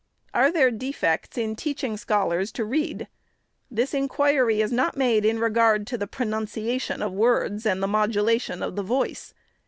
" Are there defects in teaching scholars to read? Tliis inquiry is not made in regard to the pronunciation of words and the modulation of the voice.